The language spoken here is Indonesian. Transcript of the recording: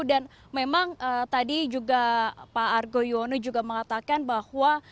dan memang tadi juga pak argo yuwono juga mengatakan bahwa